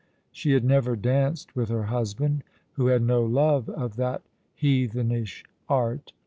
She had never danced with her husband, who had no love of that heathenish art.